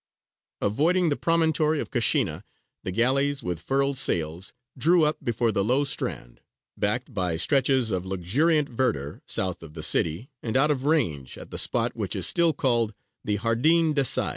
Avoiding the promontory of Cashina, the galleys, with furled sails, drew up before the low strand, backed by stretches of luxuriant verdure, south of the city, and out of range, at the spot which is still called the "Jardin d'essai."